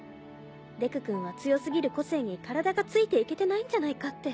デク君は強過ぎる個性に体がついて行けてないんじゃないかって。